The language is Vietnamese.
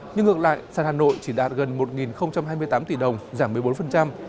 nhưng ngược lại sản hà nội chỉ đạt gần một hai mươi tám tỷ đồng giảm một mươi bốn